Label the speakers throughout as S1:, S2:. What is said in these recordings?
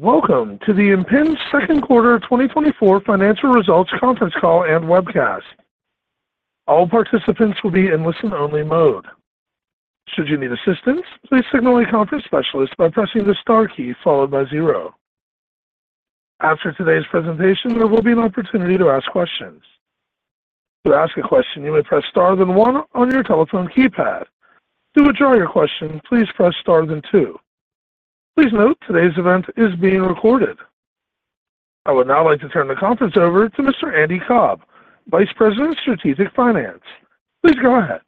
S1: Welcome to the Impinj Second Quarter 2024 Financial Results Conference Call and Webcast. All participants will be in listen-only mode. Should you need assistance, please signal a conference specialist by pressing the star key followed by zero. After today's presentation, there will be an opportunity to ask questions. To ask a question, you may press star then one on your telephone keypad. To withdraw your question, please press star then two. Please note today's event is being recorded. I would now like to turn the conference over to Mr. Andy Cobb, Vice President, Strategic Finance. Please go ahead.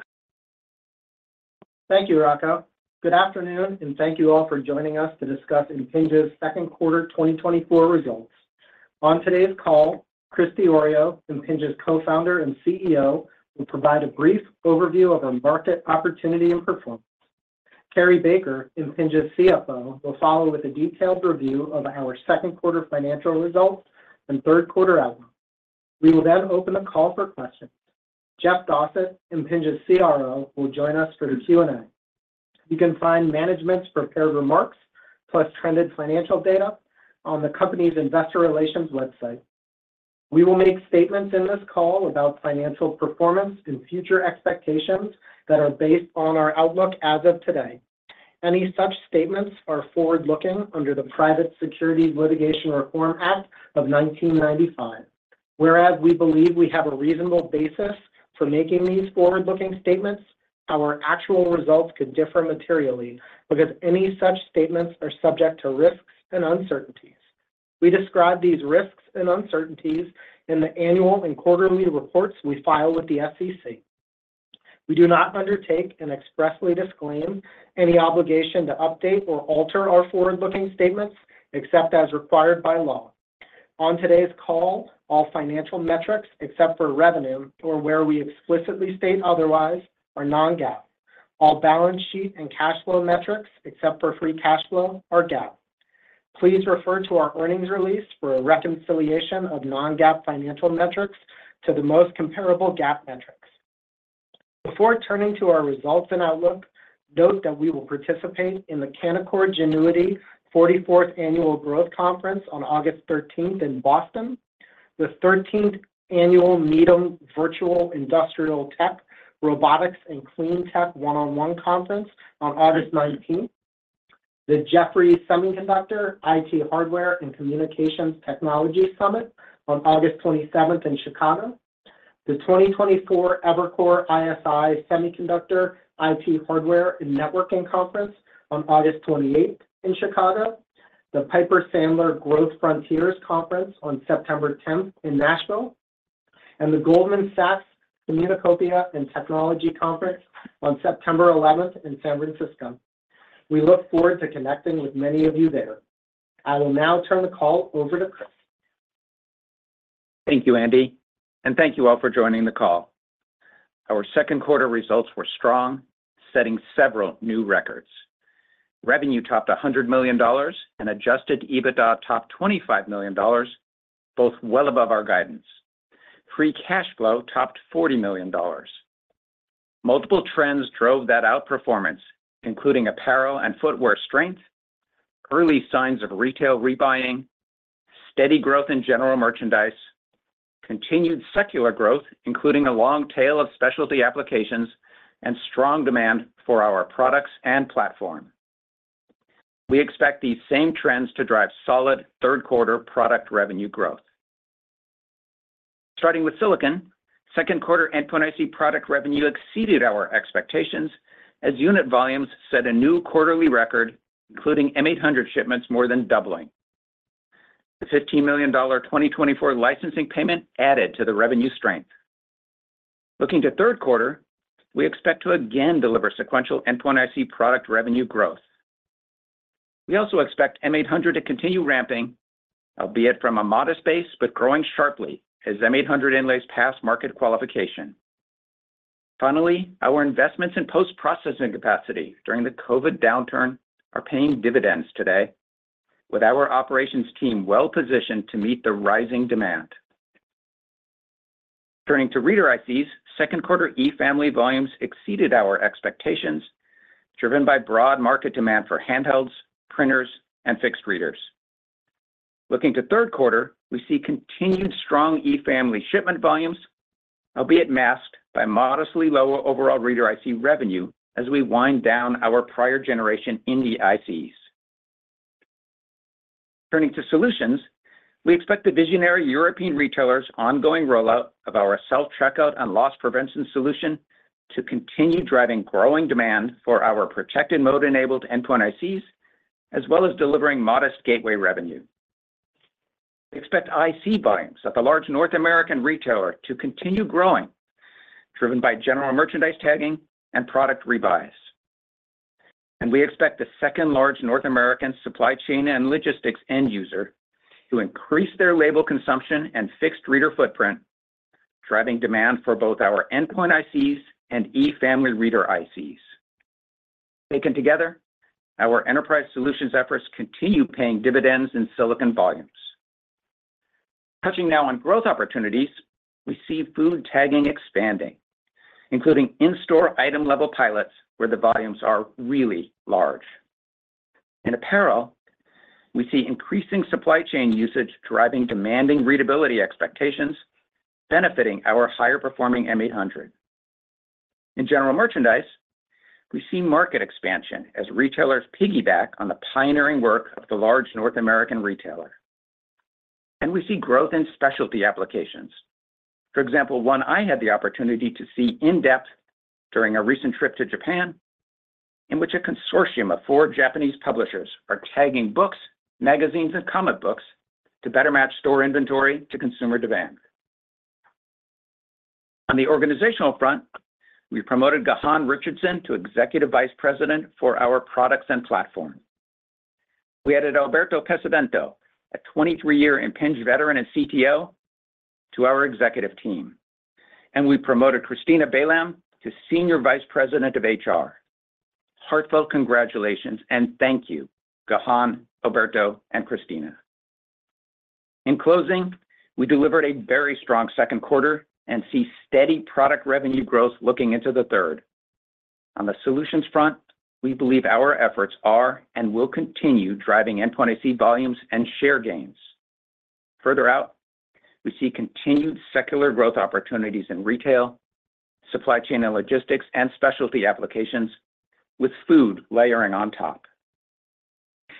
S2: Thank you, Rocco. Good afternoon, and thank you all for joining us to discuss Impinj's Second Quarter 2024 Results. On today's call, Chris Diorio, Impinj's Co-founder and CEO, will provide a brief overview of our market opportunity and performance. Cary Baker, Impinj's CFO, will follow with a detailed review of our second quarter financial results and third quarter outlook. We will then open the call for questions. Jeff Dossett, Impinj's CRO, will join us for the Q&A. You can find management's prepared remarks, plus trended financial data, on the company's Investor Relations website. We will make statements in this call about financial performance and future expectations that are based on our outlook as of today. Any such statements are forward-looking under the Private Securities Litigation Reform Act of 1995. Whereas we believe we have a reasonable basis for making these forward-looking statements, our actual results could differ materially because any such statements are subject to risks and uncertainties. We describe these risks and uncertainties in the annual and quarterly reports we file with the SEC. We do not undertake and expressly disclaim any obligation to update or alter our forward-looking statements except as required by law. On today's call, all financial metrics except for revenue, or where we explicitly state otherwise, are non-GAAP. All balance sheet and cash flow metrics except for free cash flow are GAAP. Please refer to our earnings release for a reconciliation of non-GAAP financial metrics to the most comparable GAAP metrics. Before turning to our results and outlook, note that we will participate in the Canaccord Genuity 44th Annual Growth Conference on August 13th in Boston, the 13th Annual Needham Virtual Industrial Tech Robotics and Clean Tech One-on-One Conference on August 19th, the Jefferies Semiconductor IT Hardware and Communications Technology Summit on August 27th in Chicago, the 2024 Evercore ISI Semiconductor IT Hardware and Networking Conference on August 28th in Chicago, the Piper Sandler Growth Frontiers Conference on September 10th in Nashville, and the Goldman Sachs Communicopia and Technology Conference on September 11th in San Francisco. We look forward to connecting with many of you there. I will now turn the call over to Chris.
S3: Thank you, Andy, and thank you all for joining the call. Our second quarter results were strong, setting several new records. Revenue topped $100 million and Adjusted EBITDA topped $25 million, both well above our guidance. Free cash flow topped $40 million. Multiple trends drove that outperformance, including apparel and footwear strength, early signs of retail rebuying, steady growth in general merchandise, continued secular growth, including a long tail of specialty applications, and strong demand for our products and platform. We expect these same trends to drive solid third quarter product revenue growth. Starting with silicon, second quarter endpoint IC product revenue exceeded our expectations as unit volumes set a new quarterly record, including M800 shipments more than doubling. The $15 million 2024 licensing payment added to the revenue strength. Looking to third quarter, we expect to again deliver sequential endpoint IC product revenue growth. We also expect M800 to continue ramping, albeit from a modest base but growing sharply as M800 inlays pass market qualification. Finally, our investments in post-processing capacity during the COVID downturn are paying dividends today, with our operations team well positioned to meet the rising demand. Turning to reader ICs, second quarter E-Family volumes exceeded our expectations, driven by broad market demand for handhelds, printers, and fixed readers. Looking to third quarter, we see continued strong E-Family shipment volumes, albeit masked by modestly lower overall reader IC revenue as we wind down our prior generation Indy ICs. Turning to solutions, we expect the visionary European retailer's ongoing rollout of our self-checkout and loss prevention solution to continue driving growing demand for our protected mode-enabled endpoint ICs, as well as delivering modest gateway revenue. We expect IC volumes at the large North American retailer to continue growing, driven by general merchandise tagging and product rebuys. We expect the second-largest North American supply chain and logistics end user to increase their label consumption and fixed reader footprint, driving demand for both our endpoint ICs and E-Family reader ICs. Taken together, our enterprise solutions efforts continue paying dividends in silicon volumes. Touching now on growth opportunities, we see food tagging expanding, including in-store item-level pilots where the volumes are really large. In apparel, we see increasing supply chain usage driving demanding readability expectations, benefiting our higher-performing M800. In general merchandise, we see market expansion as retailers piggyback on the pioneering work of the large North American retailer. We see growth in specialty applications. For example, one I had the opportunity to see in-depth during a recent trip to Japan, in which a consortium of four Japanese publishers are tagging books, magazines, and comic books to better match store inventory to consumer demand. On the organizational front, we promoted Gahan Richardson to Executive Vice President for our products and platform. We added Alberto Pesavento, a 23-year Impinj veteran and CTO, to our executive team. We promoted Christina Balam to Senior Vice President of HR. Heartfelt congratulations and thank you, Gahan, Alberto, and Christina. In closing, we delivered a very strong second quarter and see steady product revenue growth looking into the third. On the solutions front, we believe our efforts are and will continue driving end-point IC volumes and share gains. Further out, we see continued secular growth opportunities in retail, supply chain and logistics, and specialty applications, with food layering on top.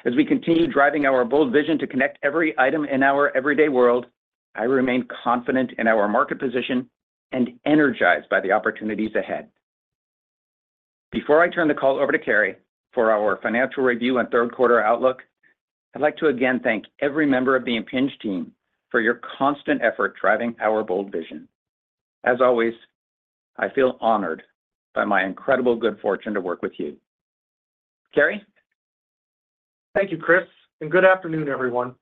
S3: As we continue driving our bold vision to connect every item in our everyday world, I remain confident in our market position and energized by the opportunities ahead. Before I turn the call over to Cary for our financial review and third quarter outlook, I'd like to again thank every member of the Impinj team for your constant effort driving our bold vision. As always, I feel honored by my incredible good fortune to work with you. Cary?
S4: Thank you, Chris, and good afternoon, everyone.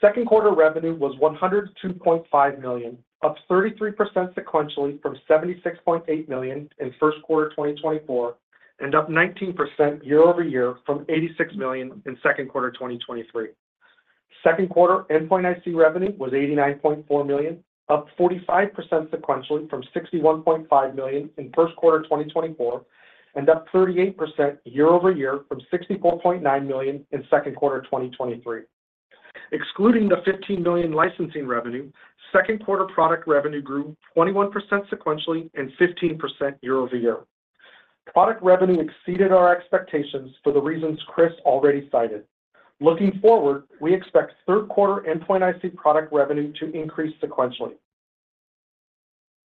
S4: Second quarter revenue was $102.5 million, up 33% sequentially from $76.8 million in first quarter 2024, and up 19% year-over-year from $86 million in second quarter 2023. Second quarter Endpoint IC revenue was $89.4 million, up 45% sequentially from $61.5 million in first quarter 2024, and up 38% year-over-year from $64.9 million in second quarter 2023. Excluding the $15 million licensing revenue, second quarter product revenue grew 21% sequentially and 15% year-over-year. Product revenue exceeded our expectations for the reasons Chris already cited. Looking forward, we expect third quarter Endpoint IC product revenue to increase sequentially.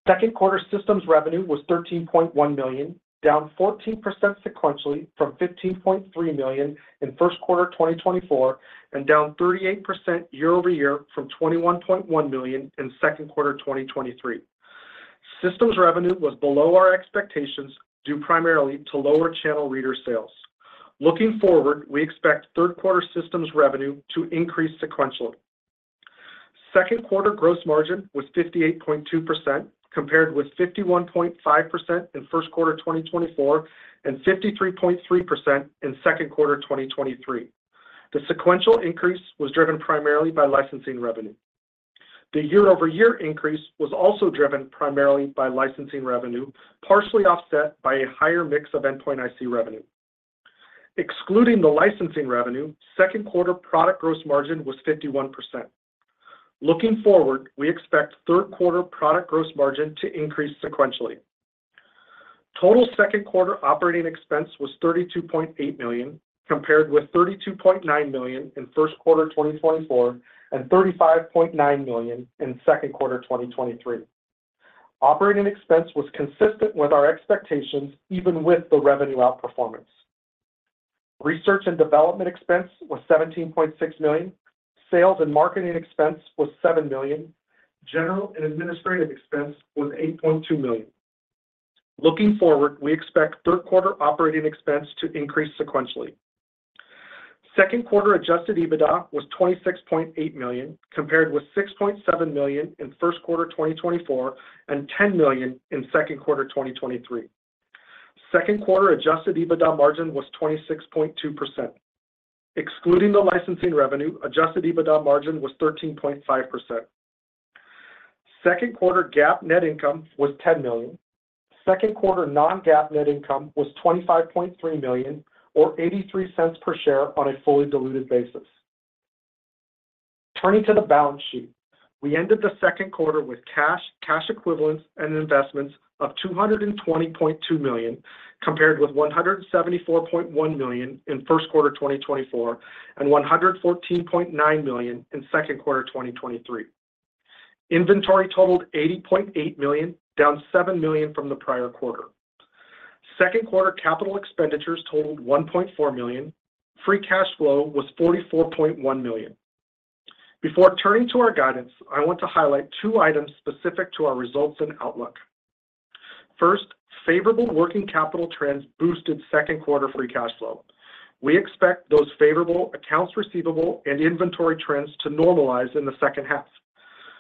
S4: Second quarter systems revenue was $13.1 million, down 14% sequentially from $15.3 million in first quarter 2024, and down 38% year-over-year from $21.1 million in second quarter 2023. Systems revenue was below our expectations due primarily to lower channel reader sales. Looking forward, we expect third quarter systems revenue to increase sequentially. Second quarter gross margin was 58.2%, compared with 51.5% in first quarter 2024 and 53.3% in second quarter 2023. The sequential increase was driven primarily by licensing revenue. The year-over-year increase was also driven primarily by licensing revenue, partially offset by a higher mix of endpoint IC revenue. Excluding the licensing revenue, second quarter product gross margin was 51%. Looking forward, we expect third quarter product gross margin to increase sequentially. Total second quarter operating expense was $32.8 million, compared with $32.9 million in first quarter 2024 and $35.9 million in second quarter 2023. Operating expense was consistent with our expectations, even with the revenue outperformance. Research and development expense was $17.6 million. Sales and marketing expense was $7 million. General and administrative expense was $8.2 million. Looking forward, we expect third quarter operating expense to increase sequentially. Second quarter Adjusted EBITDA was $26.8 million, compared with $6.7 million in first quarter 2024 and $10 million in second quarter 2023. Second quarter Adjusted EBITDA margin was 26.2%. Excluding the licensing revenue, Adjusted EBITDA margin was 13.5%. Second quarter GAAP net income was $10 million. Second quarter non-GAAP net income was $25.3 million, or $0.83 per share on a fully diluted basis. Turning to the balance sheet, we ended the second quarter with cash, cash equivalents, and investments of $220.2 million, compared with $174.1 million in first quarter 2024 and $114.9 million in second quarter 2023. Inventory totaled $80.8 million, down $7 million from the prior quarter. Second quarter capital expenditures totaled $1.4 million. Free cash flow was $44.1 million. Before turning to our guidance, I want to highlight two items specific to our results and outlook. First, favorable working capital trends boosted second quarter free cash flow. We expect those favorable accounts receivable and inventory trends to normalize in the second half.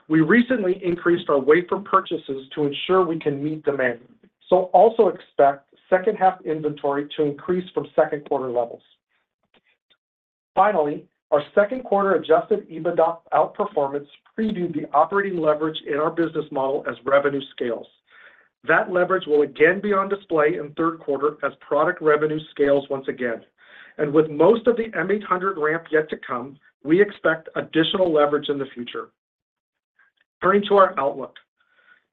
S4: We recently increased our wafer purchases to ensure we can meet demand, so also expect second-half inventory to increase from second quarter levels. Finally, our second quarter Adjusted EBITDA outperformance previewed the operating leverage in our business model as revenue scales. That leverage will again be on display in third quarter as product revenue scales once again. And with most of the M800 ramp yet to come, we expect additional leverage in the future. Turning to our outlook,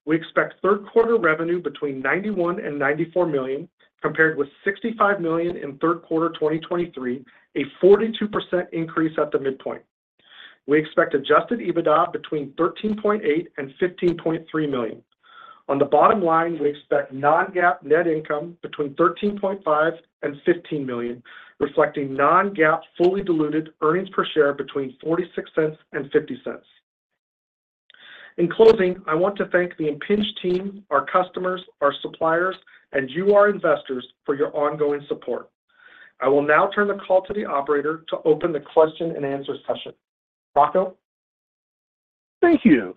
S4: we expect third quarter revenue between $91 million and $94 million, compared with $65 million in third quarter 2023, a 42% increase at the midpoint. We expect Adjusted EBITDA between $13.8 million and $15.3 million. On the bottom line, we expect non-GAAP net income between $13.5 million and $15 million, reflecting non-GAAP fully diluted earnings per share between $0.46 and $0.50. In closing, I want to thank the Impinj team, our customers, our suppliers, and you, our Investors, for your ongoing support. I will now turn the call to the Operator to open the question-and-answer session. Rocco.
S1: Thank you.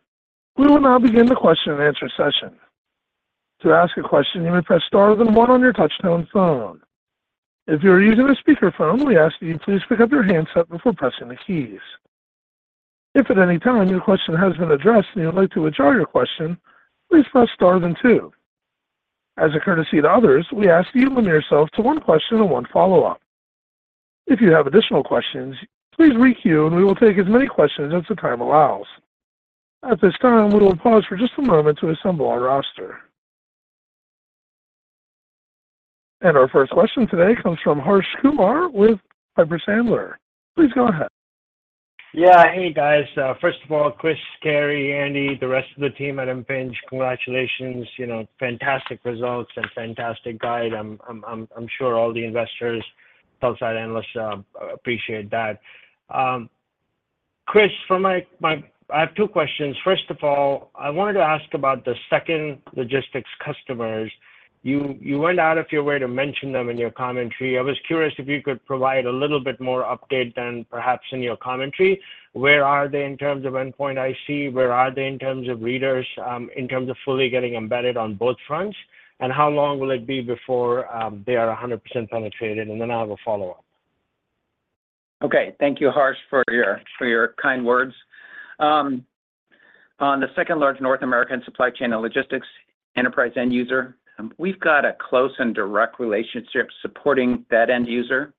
S1: We will now begin the question-and-answer session. To ask a question, you may press star then one on your touch-tone phone. If you are using a speakerphone, we ask that you please pick up your handset before pressing the keys. If at any time your question has been addressed and you would like to withdraw your question, please press star then two. As a courtesy to others, we ask that you limit yourself to one question and one follow-up. If you have additional questions, please requeue and we will take as many questions as the time allows. At this time, we will pause for just a moment to assemble our roster. Our first question today comes from Harsh Kumar with Piper Sandler. Please go ahead.
S5: Yeah, hey guys. First of all, Chris, Cary, Andy, the rest of the team at Impinj, congratulations. You know, fantastic results and fantastic guide. I'm sure all the Investors, sell-side analysts, appreciate that. Chris, I have two questions. First of all, I wanted to ask about the second logistics customers. You went out of your way to mention them in your commentary. I was curious if you could provide a little bit more update than perhaps in your commentary. Where are they in terms of endpoint IC? Where are they in terms of readers, in terms of fully getting embedded on both fronts? And how long will it be before they are 100% penetrated? And then I have a follow-up.
S3: Okay, thank you, Harsh, for your kind words. On the second-largest North American supply chain and logistics enterprise end user, we've got a close and direct relationship supporting that end user,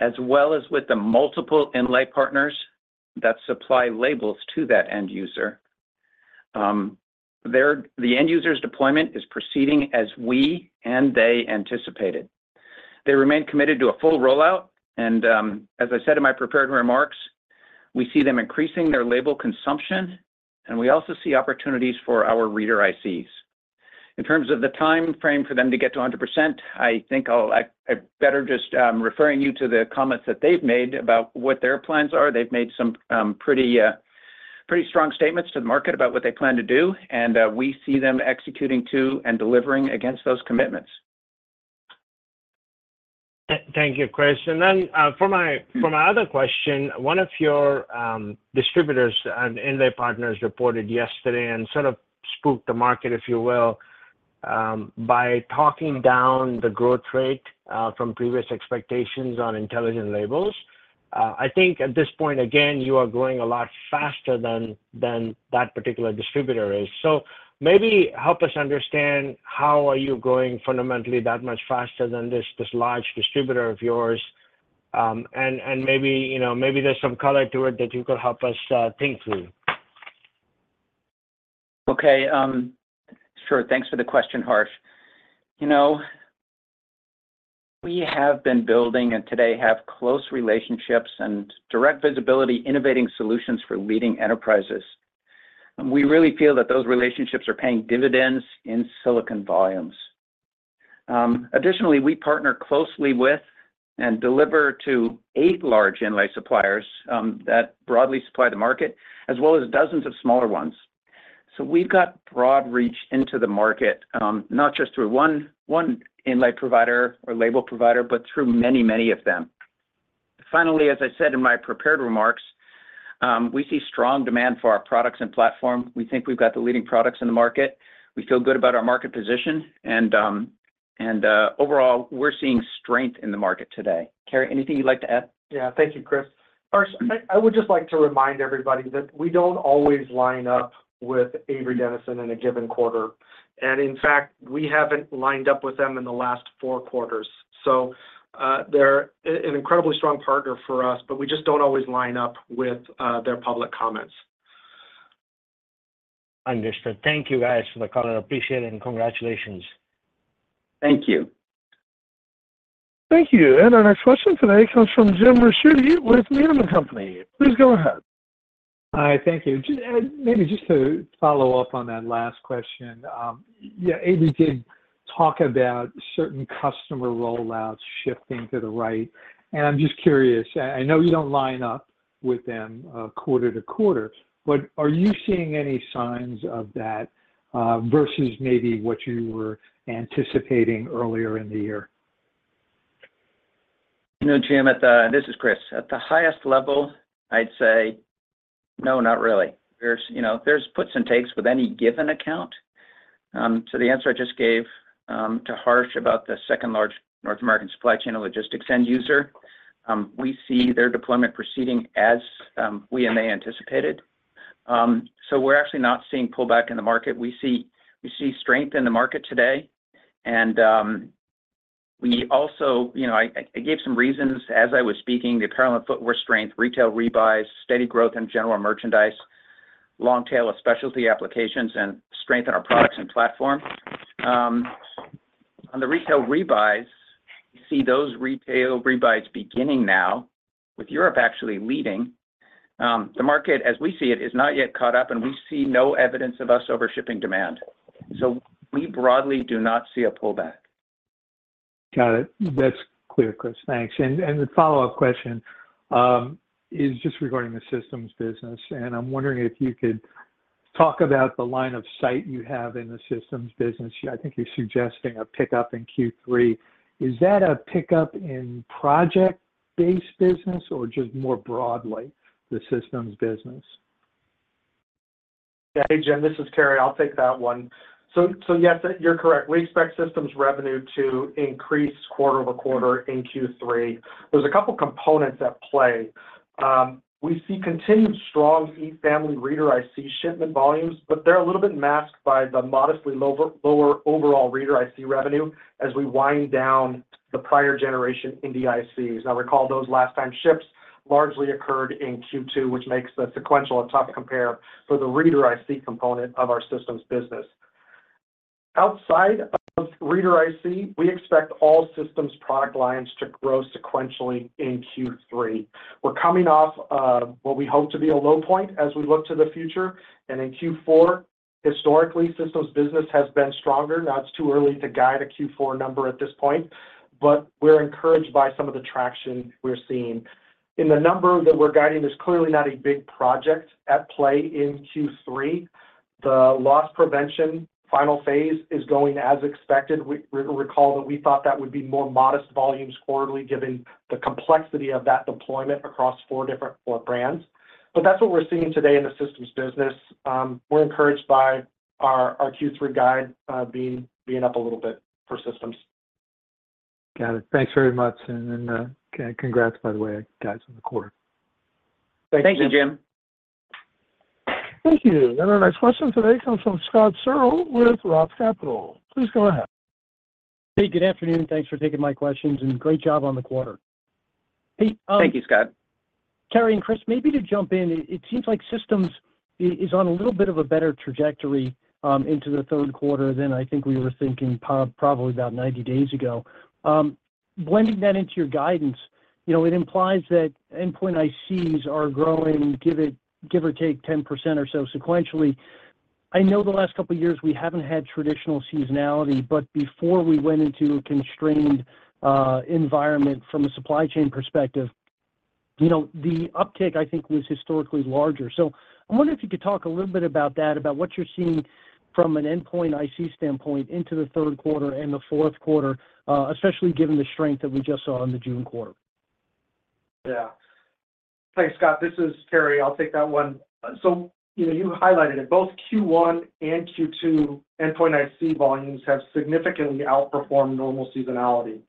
S3: as well as with the multiple inlay partners that supply labels to that end user. The end user's deployment is proceeding as we and they anticipated. They remain committed to a full rollout, and as I said in my prepared remarks, we see them increasing their label consumption, and we also see opportunities for our reader ICs. In terms of the time frame for them to get to 100%, I think I'll better just refer you to the comments that they've made about what their plans are. They've made some pretty strong statements to the market about what they plan to do, and we see them executing too and delivering against those commitments.
S5: Thank you, Chris. And then for my other question, one of your distributors and inlay partners reported yesterday and sort of spooked the market, if you will, by talking down the growth rate from previous expectations on intelligent labels. I think at this point, again, you are growing a lot faster than that particular distributor is. So maybe help us understand how are you growing fundamentally that much faster than this large distributor of yours? And maybe there's some color to it that you could help us think through.
S3: Okay, sure. Thanks for the question, Harsh. You know, we have been building and today have close relationships and direct visibility, innovating solutions for leading enterprises. And we really feel that those relationships are paying dividends in silicon volumes. Additionally, we partner closely with and deliver to eight large inlay suppliers that broadly supply the market, as well as dozens of smaller ones. So we've got broad reach into the market, not just through one inlay provider or label provider, but through many, many of them. Finally, as I said in my prepared remarks, we see strong demand for our products and platform. We think we've got the leading products in the market. We feel good about our market position. And overall, we're seeing strength in the market today. Cary, anything you'd like to add?
S4: Yeah, thank you, Chris. Harsh, I would just like to remind everybody that we don't always line up with Avery Dennison in a given quarter. In fact, we haven't lined up with them in the last four quarters. They're an incredibly strong partner for us, but we just don't always line up with their public comments.
S5: Understood. Thank you, guys, for the call. I appreciate it and congratulations.
S3: Thank you.
S1: Thank you. Our next question today comes from Jim Ricchiuti with Needham & Company. Please go ahead.
S6: Hi, thank you. Maybe just to follow-up on that last question. Yeah, Avery did talk about certain customer rollouts shifting to the right. And I'm just curious, I know you don't line up with them quarter to quarter, but are you seeing any signs of that versus maybe what you were anticipating earlier in the year?
S3: You know, Jim, this is Chris. At the highest level, I'd say no, not really. There's puts and takes with any given account. So the answer I just gave to Harsh about the second-largest North American supply chain and logistics end user, we see their deployment proceeding as we and they anticipated. So we're actually not seeing pullback in the market. We see strength in the market today. And we also, you know, I gave some reasons as I was speaking, the apparel and footwear strength, retail rebuys, steady growth in general merchandise, long tail of specialty applications, and strength in our products and platform. On the retail rebuys, we see those retail rebuys beginning now, with Europe actually leading. The market, as we see it, is not yet caught up, and we see no evidence of us overshipping demand. So we broadly do not see a pullback.
S6: Got it. That's clear, Chris. Thanks. The follow-up question is just regarding the systems business. I'm wondering if you could talk about the line of sight you have in the systems business. I think you're suggesting a pickup in Q3. Is that a pickup in project-based business or just more broadly the systems business?
S4: Hey, Jim, this is Cary. I'll take that one. So yes, you're correct. We expect systems revenue to increase quarter-over-quarter in Q3. There's a couple of components at play. We see continued strong E-Family reader IC shipment volumes, but they're a little bit masked by the modestly lower overall reader IC revenue as we wind down the prior generation Indy ICs. Now, recall those last time ships largely occurred in Q2, which makes the sequential a tough compare for the reader IC component of our systems business. Outside of reader IC, we expect all systems product lines to grow sequentially in Q3. We're coming off of what we hope to be a low point as we look to the future. And in Q4, historically, systems business has been stronger. Now, it's too early to guide a Q4 number at this point, but we're encouraged by some of the traction we're seeing. In the number that we're guiding, there's clearly not a big project at play in Q3. The loss prevention final phase is going as expected. Recall that we thought that would be more modest volumes quarterly given the complexity of that deployment across four different brands. But that's what we're seeing today in the systems business. We're encouraged by our Q3 guide being up a little bit for systems.
S6: Got it. Thanks very much. And congrats, by the way, guys in the quarter.
S3: Thank you.
S4: Thank you, Jim.
S1: Thank you. Our next question today comes from Scott Searle with Roth Capital Partners. Please go ahead.
S7: Hey, good afternoon. Thanks for taking my questions, and great job on the quarter.
S3: Thank you, Scott.
S7: Cary and Chris, maybe to jump in, it seems like systems is on a little bit of a better trajectory into the third quarter than I think we were thinking probably about 90 days ago. Blending that into your guidance, you know, it implies that endpoint ICs are growing, give or take 10% or so sequentially. I know the last couple of years we haven't had traditional seasonality, but before we went into a constrained environment from a supply chain perspective, you know, the uptick I think was historically larger. So I wonder if you could talk a little bit about that, about what you're seeing from an endpoint IC standpoint into the third quarter and the fourth quarter, especially given the strength that we just saw in the June quarter.
S4: Yeah. Thanks, Scott. This is Cary. I'll take that one. So you highlighted it. Both Q1 and Q2 endpoint IC volumes have significantly outperformed normal seasonality.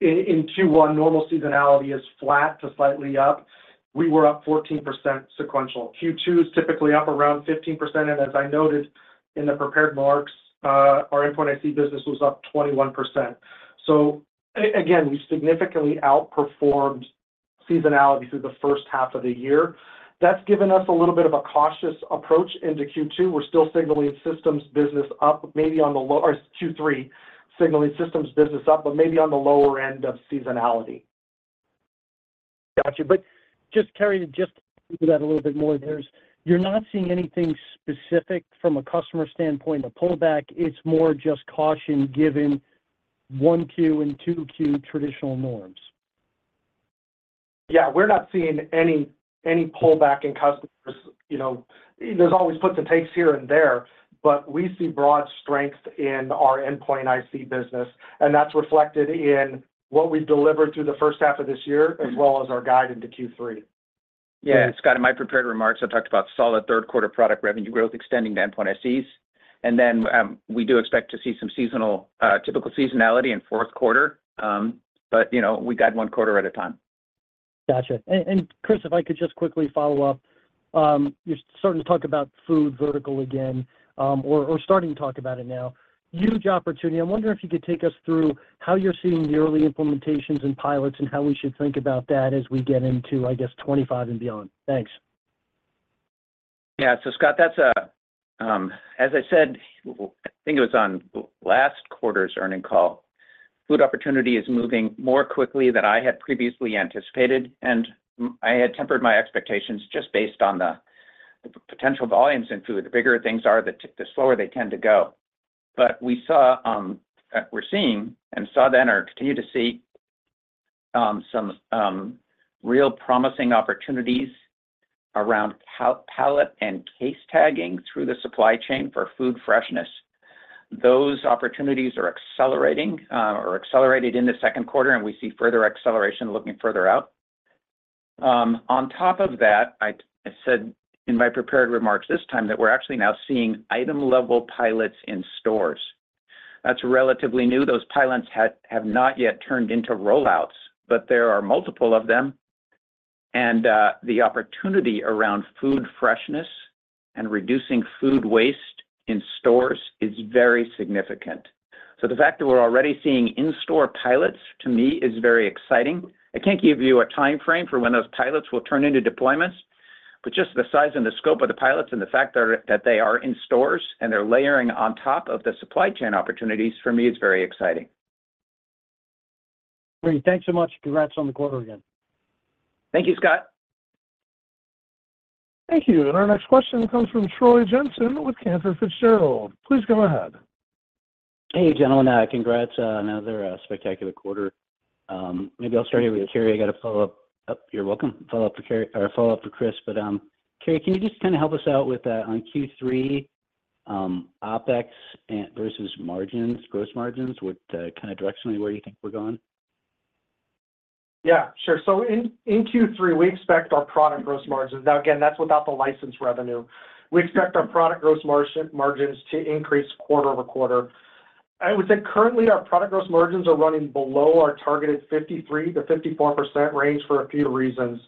S4: In Q1, normal seasonality is flat to slightly up. We were up 14% sequential. Q2 is typically up around 15%. And as I noted in the prepared remarks, our endpoint IC business was up 21%. So again, we significantly outperformed seasonality through the first half of the year. That's given us a little bit of a cautious approach into Q2. We're still signaling systems business up, maybe on the low end of Q3 signaling systems business up, but maybe on the lower end of seasonality.
S7: Gotcha. But just Cary, to just do that a little bit more there, you're not seeing anything specific from a customer standpoint of pullback. It's more just caution given 1Q and 2Q traditional norms.
S4: Yeah, we're not seeing any pullback in customers. You know, there's always puts and takes here and there, but we see broad strength in our Endpoint IC business. That's reflected in what we've delivered through the first half of this year, as well as our guide into Q3.
S3: Yeah, Scott, in my prepared remarks, I talked about solid third quarter product revenue growth extending to endpoint ICs. And then we do expect to see some typical seasonality in fourth quarter. But you know, we guide one quarter at a time.
S7: Gotcha. Chris, if I could just quickly follow-up, you're starting to talk about food vertical again, or starting to talk about it now. Huge opportunity. I'm wondering if you could take us through how you're seeing the early implementations and pilots and how we should think about that as we get into, I guess, 2025 and beyond? Thanks.
S3: Yeah, so Scott, that's a, as I said, I think it was on last quarter's earnings call, food opportunity is moving more quickly than I had previously anticipated. I had tempered my expectations just based on the potential volumes in food. The bigger things are, the slower they tend to go. But we saw, we're seeing, and saw then or continue to see some real promising opportunities around pallet and case tagging through the supply chain for food freshness. Those opportunities are accelerating or accelerated in the second quarter, and we see further acceleration looking further out. On top of that, I said in my prepared remarks this time that we're actually now seeing item-level pilots in stores. That's relatively new. Those pilots have not yet turned into rollouts, but there are multiple of them. And the opportunity around food freshness and reducing food waste in stores is very significant. So the fact that we're already seeing in-store pilots, to me, is very exciting. I can't give you a time frame for when those pilots will turn into deployments, but just the size and the scope of the pilots and the fact that they are in stores and they're layering on top of the supply chain opportunities, for me, is very exciting.
S7: Cary, thanks so much. Congrats on the quarter again.
S3: Thank you, Scott.
S1: Thank you. And our next question comes from Troy Jensen with Cantor Fitzgerald. Please go ahead.
S8: Hey, gentlemen. Congrats on another spectacular quarter. Maybe I'll start here with Cary. I got to follow-up. You're welcome. Follow-up for Cary or follow-up for Chris. But Cary, can you just kind of help us out with on Q3 OpEx versus margins, gross margins, what kind of directionally where you think we're going?
S4: Yeah, sure. So in Q3, we expect our product gross margins. Now, again, that's without the license revenue. We expect our product gross margins to increase quarter-over-quarter. I would say currently our product gross margins are running below our targeted 53%-54% range for a few reasons.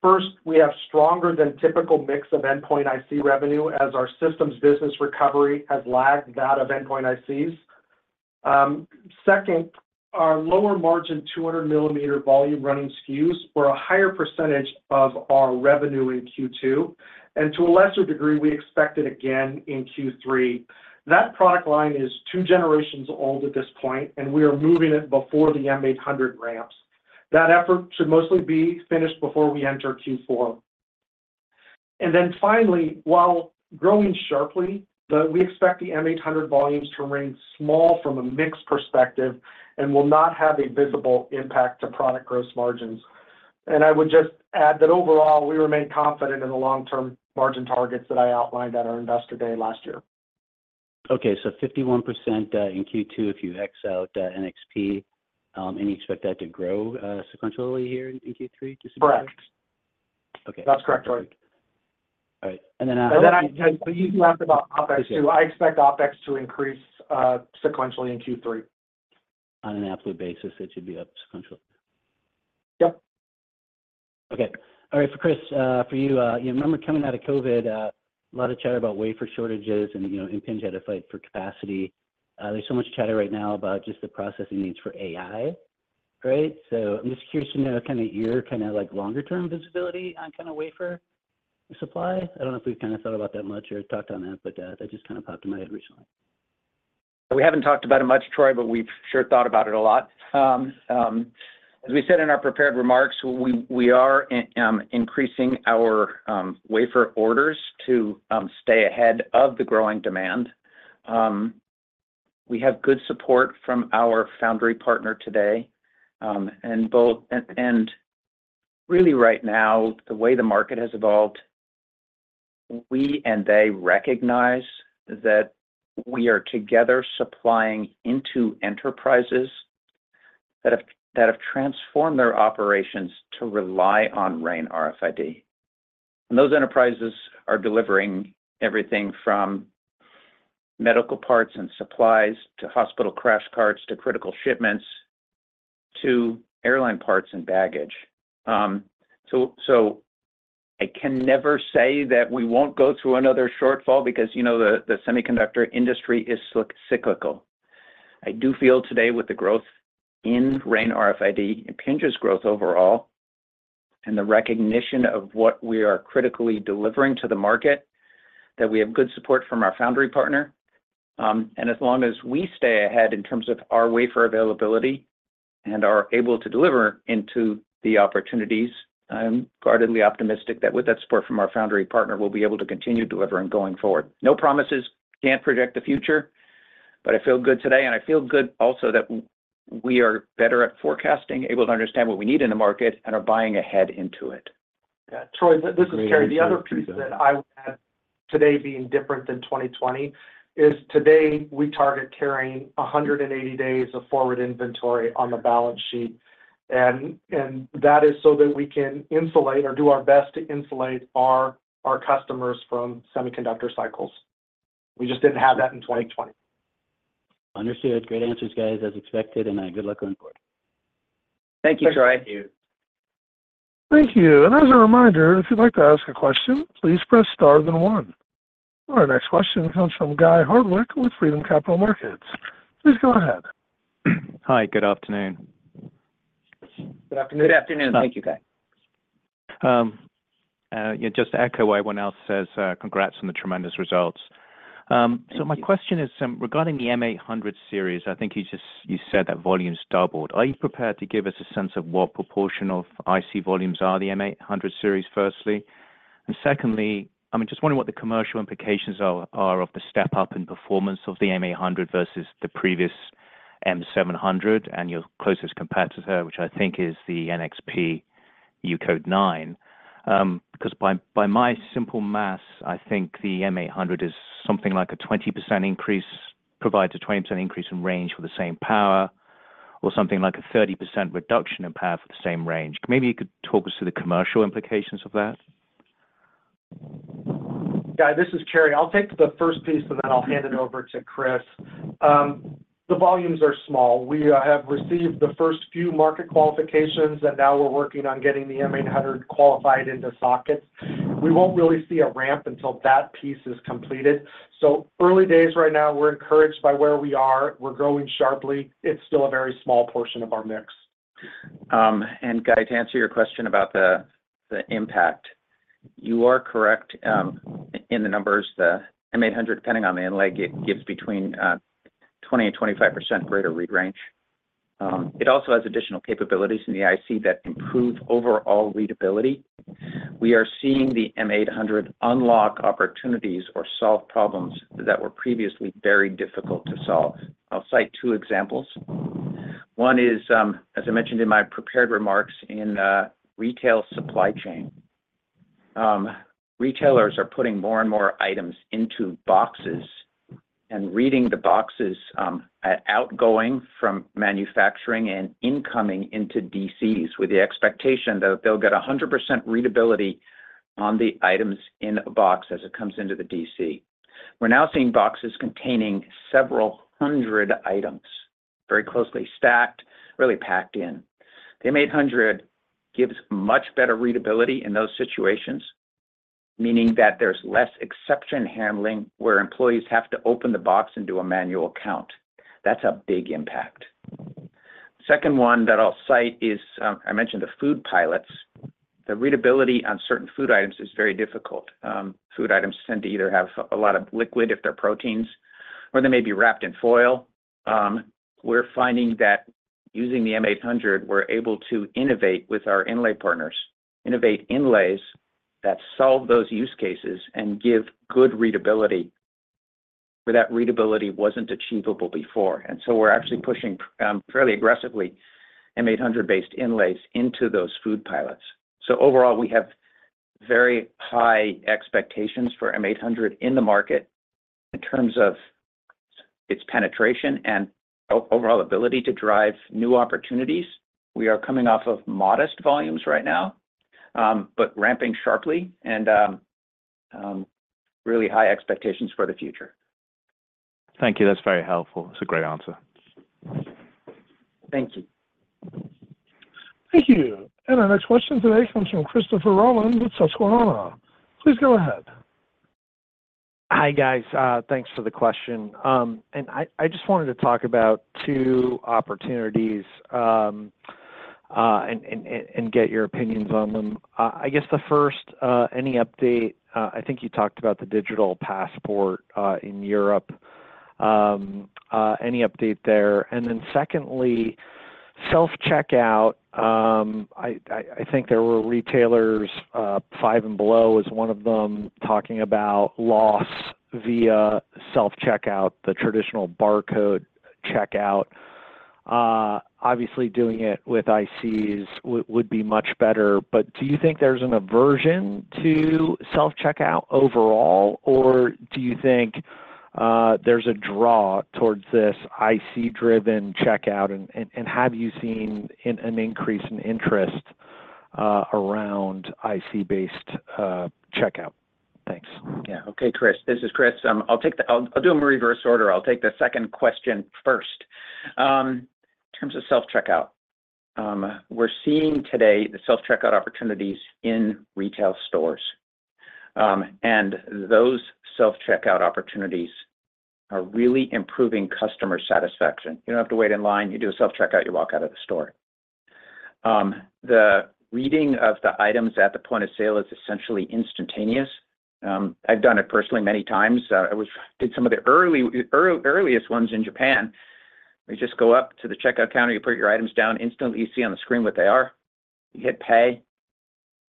S4: First, we have stronger than typical mix of endpoint IC revenue as our systems business recovery has lagged that of endpoint ICs. Second, our lower margin 200 millimeter volume running SKUs were a higher percentage of our revenue in Q2. And to a lesser degree, we expect it again in Q3. That product line is two generations old at this point, and we are moving it before the M800 ramps. That effort should mostly be finished before we enter Q4. And then finally, while growing sharply, we expect the M800 volumes to remain small from a mixed perspective and will not have a visible impact to product gross margins. And I would just add that overall, we remain confident in the long-term margin targets that I outlined at our Investor Day last year.
S8: Okay, so 51% in Q2 if you X out NXP, and you expect that to grow sequentially here in Q3?
S4: Correct.
S8: Okay.
S4: That's correct, right?
S8: All right. And then.
S4: And then you asked about OpEx too. I expect OpEx to increase sequentially in Q3.
S8: On an absolute basis, it should be up sequentially.
S4: Yep.
S8: Okay. All right. For Chris, for you, you remember coming out of COVID, a lot of chatter about wafer shortages and, you know, Impinj had to fight for capacity. There's so much chatter right now about just the processing needs for AI, right? So I'm just curious to know kind of your kind of like longer-term visibility on kind of wafer supply. I don't know if we've kind of thought about that much or talked on that, but that just kind of popped in my head recently.
S3: We haven't talked about it much, Troy, but we've sure thought about it a lot. As we said in our prepared remarks, we are increasing our wafer orders to stay ahead of the growing demand. We have good support from our foundry partner today. Really right now, the way the market has evolved, we and they recognize that we are together supplying into enterprises that have transformed their operations to rely on RAIN RFID. Those enterprises are delivering everything from medical parts and supplies to hospital crash carts to critical shipments to airline parts and baggage. So I can never say that we won't go through another shortfall because, you know, the semiconductor industry is cyclical. I do feel today with the growth in RAIN RFID, Impinj's growth overall, and the recognition of what we are critically delivering to the market, that we have good support from our foundry partner. And as long as we stay ahead in terms of our wafer availability and are able to deliver into the opportunities, I'm guardedly optimistic that with that support from our foundry partner, we'll be able to continue delivering going forward. No promises, can't project the future, but I feel good today. And I feel good also that we are better at forecasting, able to understand what we need in the market, and are buying ahead into it.
S4: Yeah, Troy, this is Cary. The other piece that I would add today being different than 2020 is today we target carrying 180 days of forward inventory on the balance sheet. And that is so that we can insulate or do our best to insulate our customers from semiconductor cycles. We just didn't have that in 2020.
S8: Understood. Great answers, guys, as expected. Good luck going forward.
S3: Thank you, Troy.
S1: Thank you. As a reminder, if you'd like to ask a question, please press star then one. Our next question comes from Guy Hardwick with Freedom Capital Markets. Please go ahead.
S9: Hi, good afternoon.
S3: Good afternoon.
S4: Good afternoon. Thank you, Guy.
S9: Just to echo what everyone else says, congrats on the tremendous results. So my question is regarding the M800 series, I think you said that volume's doubled. Are you prepared to give us a sense of what proportion of IC volumes are the M800 series firstly? And secondly, I'm just wondering what the commercial implications are of the step-up in performance of the M800 versus the previous M700 and your closest competitor, which I think is the NXP UCODE 9. Because by my simple math, I think the M800 is something like a 20% increase, provides a 20% increase in range for the same power, or something like a 30% reduction in power for the same range. Maybe you could talk us through the commercial implications of that.
S4: Guy, this is Cary. I'll take the first piece, and then I'll hand it over to Chris. The volumes are small. We have received the first few market qualifications, and now we're working on getting the M800 qualified into sockets. We won't really see a ramp until that piece is completed. So early days right now, we're encouraged by where we are. We're growing sharply. It's still a very small portion of our mix.
S3: And Guy, to answer your question about the impact, you are correct in the numbers. The M800, depending on the inlay, gives between 20%-25% greater read range. It also has additional capabilities in the IC that improve overall readability. We are seeing the M800 unlock opportunities or solve problems that were previously very difficult to solve. I'll cite two examples. One is, as I mentioned in my prepared remarks, in retail supply chain. Retailers are putting more and more items into boxes and reading the boxes at outgoing from manufacturing and incoming into DCs with the expectation that they'll get 100% readability on the items in a box as it comes into the DC. We're now seeing boxes containing several hundred items very closely stacked, really packed in. The M800 gives much better readability in those situations, meaning that there's less exception handling where employees have to open the box and do a manual count. That's a big impact. The second one that I'll cite is, I mentioned the food pilots. The readability on certain food items is very difficult. Food items tend to either have a lot of liquid if they're proteins, or they may be wrapped in foil. We're finding that using the M800, we're able to innovate with our inlay partners, innovate inlays that solve those use cases and give good readability where that readability wasn't achievable before. And so we're actually pushing fairly aggressively M800-based inlays into those food pilots. So overall, we have very high expectations for M800 in the market in terms of its penetration and overall ability to drive new opportunities. We are coming off of modest volumes right now, but ramping sharply and really high expectations for the future.
S9: Thank you. That's very helpful. It's a great answer.
S3: Thank you.
S1: Thank you. Our next question today comes from Christopher Rolland with Susquehanna. Please go ahead.
S10: Hi, guys. Thanks for the question. I just wanted to talk about two opportunities and get your opinions on them. I guess the first, any update? I think you talked about the digital passport in Europe. Any update there? Then secondly, self-checkout. I think there were retailers, Five Below was one of them, talking about loss via self-checkout, the traditional barcode checkout. Obviously, doing it with ICs would be much better. But do you think there's an aversion to self-checkout overall, or do you think there's a draw towards this IC-driven checkout? And have you seen an increase in interest around IC-based checkout? Thanks.
S3: Yeah. Okay, Chris. This is Chris. I'll do them in reverse order. I'll take the second question first. In terms of self-checkout, we're seeing today the self-checkout opportunities in retail stores. And those self-checkout opportunities are really improving customer satisfaction. You don't have to wait in line. You do a self-checkout, you walk out of the store. The reading of the items at the point of sale is essentially instantaneous. I've done it personally many times. I did some of the earliest ones in Japan. You just go up to the checkout counter, you put your items down, instantly you see on the screen what they are. You hit pay,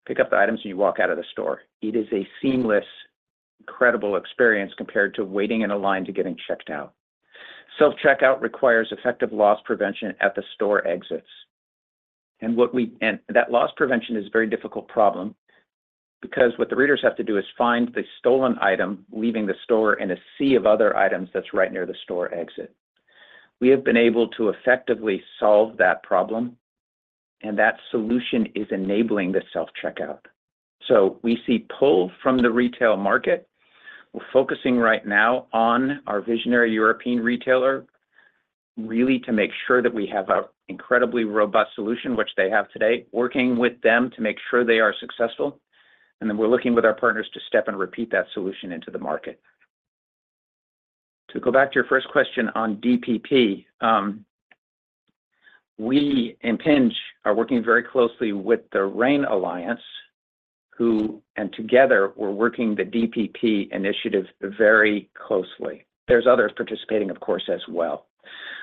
S3: pick up the items, and you walk out of the store. It is a seamless, incredible experience compared to waiting in a line to getting checked out. Self-checkout requires effective loss prevention at the store exits. That loss prevention is a very difficult problem because what the readers have to do is find the stolen item, leaving the store in a sea of other items that's right near the store exit. We have been able to effectively solve that problem, and that solution is enabling the self-checkout. So we see pull from the retail market. We're focusing right now on our visionary European retailer really to make sure that we have an incredibly robust solution, which they have today, working with them to make sure they are successful. And then we're looking with our partners to step and repeat that solution into the market. To go back to your first question on DPP, we are working very closely with the RAIN Alliance, and together we're working the DPP initiative very closely. There's others participating, of course, as well.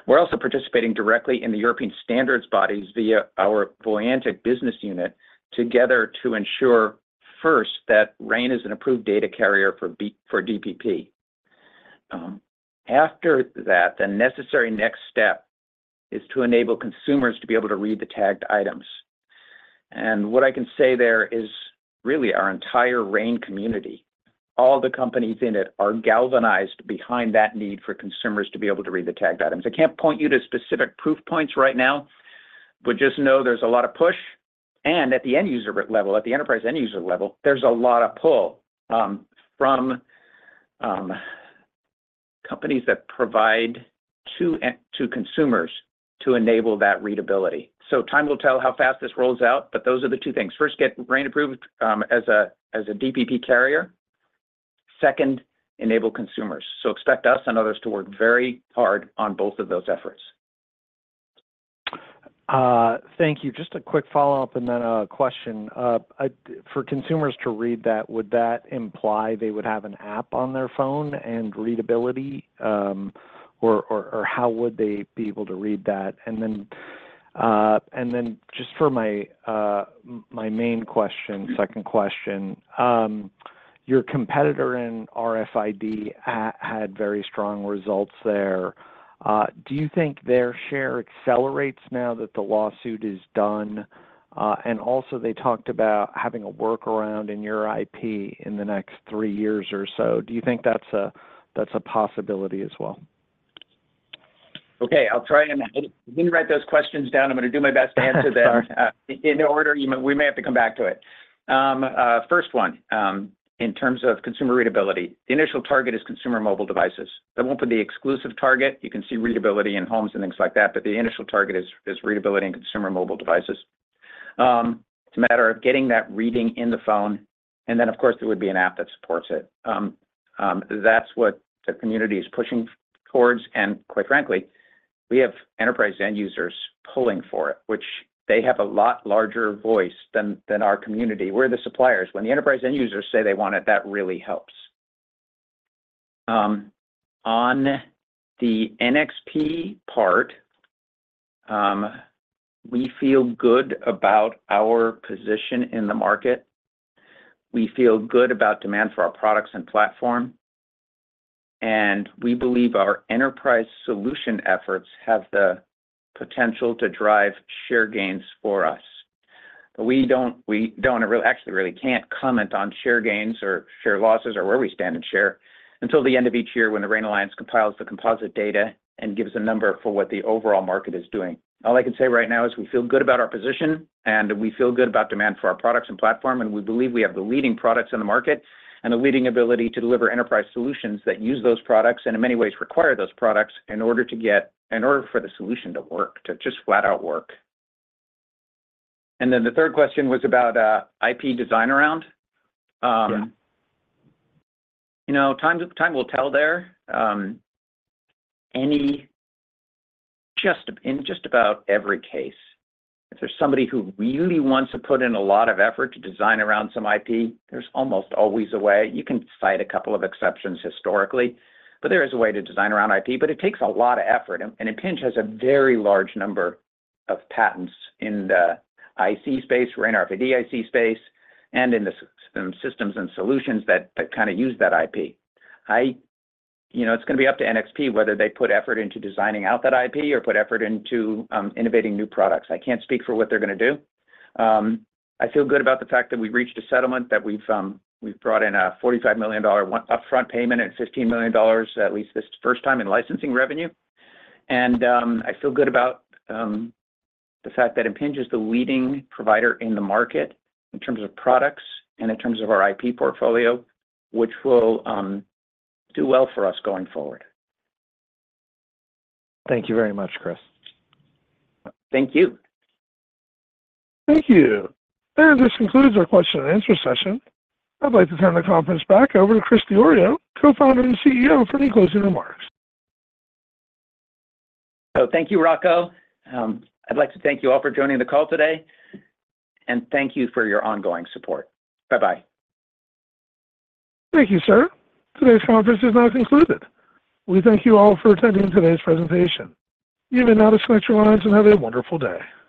S3: We're also participating directly in the European standards bodies via our Voyantic business unit together to ensure first that RAIN is an approved data carrier for DPP. After that, the necessary next step is to enable consumers to be able to read the tagged items. And what I can say there is really our entire RAIN community, all the companies in it are galvanized behind that need for consumers to be able to read the tagged items. I can't point you to specific proof points right now, but just know there's a lot of push. And at the end user level, at the enterprise end user level, there's a lot of pull from companies that provide to consumers to enable that readability. So time will tell how fast this rolls out, but those are the two things. First, get RAIN approved as a DPP carrier. Second, enable consumers. Expect us and others to work very hard on both of those efforts.
S10: Thank you. Just a quick follow-up and then a question. For consumers to read that, would that imply they would have an app on their phone and readability, or how would they be able to read that? And then just for my main question, second question, your competitor in RFID had very strong results there. Do you think their share accelerates now that the lawsuit is done? And also they talked about having a workaround in your IP in the next three years or so. Do you think that's a possibility as well?
S3: Okay. I'll try and write those questions down. I'm going to do my best to answer them in order. We may have to come back to it. First one, in terms of consumer readability, the initial target is consumer mobile devices. I won't put the exclusive target. You can see readability in homes and things like that, but the initial target is readability in consumer mobile devices. It's a matter of getting that reading in the phone. And then, of course, there would be an app that supports it. That's what the community is pushing towards. And quite frankly, we have enterprise end users pulling for it, which they have a lot larger voice than our community. We're the suppliers. When the enterprise end users say they want it, that really helps. On the NXP part, we feel good about our position in the market. We feel good about demand for our products and platform. We believe our enterprise solution efforts have the potential to drive share gains for us. We don't actually really can't comment on share gains or share losses or where we stand in share until the end of each year when the RAIN Alliance compiles the composite data and gives a number for what the overall market is doing. All I can say right now is we feel good about our position, and we feel good about demand for our products and platform, and we believe we have the leading products in the market and the leading ability to deliver enterprise solutions that use those products and in many ways require those products in order to get in order for the solution to work, to just flat out work. Then the third question was about IP design around. Time will tell there. In just about every case, if there's somebody who really wants to put in a lot of effort to design around some IP, there's almost always a way. You can cite a couple of exceptions historically, but there is a way to design around IP, but it takes a lot of effort. Impinj has a very large number of patents in the IC space, RAIN RFID IC space, and in the systems and solutions that kind of use that IP. It's going to be up to NXP whether they put effort into designing out that IP or put effort into innovating new products. I can't speak for what they're going to do. I feel good about the fact that we've reached a settlement that we've brought in a $45 million upfront payment and $15 million, at least this first time in licensing revenue. I feel good about the fact that Impinj is the leading provider in the market in terms of products and in terms of our IP portfolio, which will do well for us going forward.
S10: Thank you very much, Chris.
S3: Thank you.
S1: Thank you. This concludes our question-and-answer session. I'd like to turn the conference back over to Chris Diorio, Co-founder and CEO, for any closing remarks.
S3: Oh, thank you, Rocco. I'd like to thank you all for joining the call today. Thank you for your ongoing support. Bye-bye.
S1: Thank you, sir. Today's conference is now concluded. We thank you all for attending today's presentation. You may now disconnect your lines and have a wonderful day.